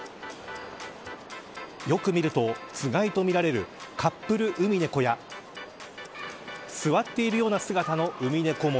よく見るとつがいとみられるカップルウミネコや座っているような姿のウミネコも。